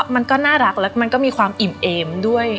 มันก็น่ารักและมันก็มีความอิ่มเอมด้วย